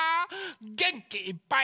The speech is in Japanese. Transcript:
げんきいっぱい。